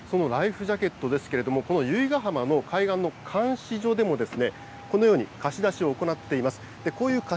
そのライフジャケットですけれども、この由比ヶ浜の海岸の監視所でも、このように貸し出しを行っています。